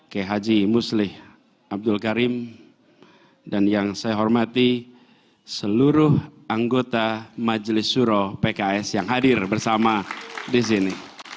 k h muslih abdul karim dan yang saya hormati seluruh anggota majelis suro pks yang hadir bersama di sini